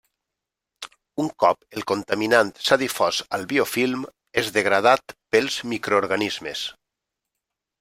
Un cop el contaminant s'ha difós al biofilm, és degradat pels microorganismes.